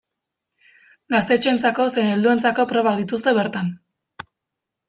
Gaztetxoentzako zein helduentzako probak dituzte bertan.